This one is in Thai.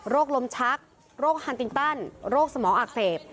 ลมชักโรคฮันติงตันโรคสมองอักเสบ